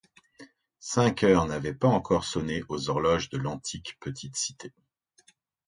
Cinq heures n'avaient pas encore sonné aux horloges de l'antique petite cité.